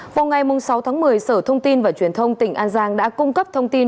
vào ngày sáu tháng một mươi sở thông tin và truyền thông tỉnh an giang đã cung cấp thông tin